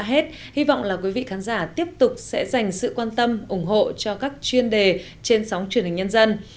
hết hy vọng là quý vị khán giả tiếp tục sẽ dành sự quan tâm ủng hộ cho các chuyên đề trên sóng truyền hình nhân dân